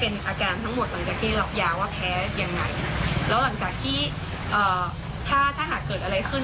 เขาจะได้อามตรงนี้แล้วก็จะได้ระวังกับการใช้ยาหัวขึ้น